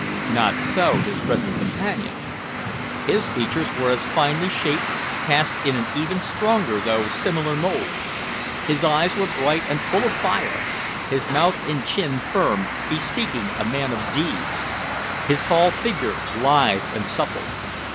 Not so his present companion. His features were as finely shaped, cast in an even stronger though similar mould. His eyes were bright and full of fire, his mouth and chin firm, bespeaking a man of deeds, his tall figure lithe and supple.